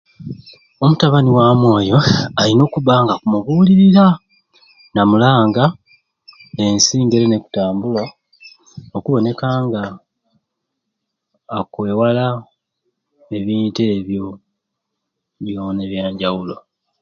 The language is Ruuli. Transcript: Omutabani wamwei oyo ayina okuba nga akumubuliira namulanga ensi engeri nekutambula okuboneka nga akwewala ebintu ebyo byona ebyanjawulo